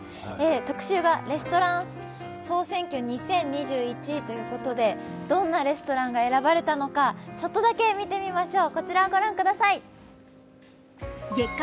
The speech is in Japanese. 特集はレストラン総選挙２０２１ということで、どんなレストランが選ばれたのかちょっとだけ見てみましょう。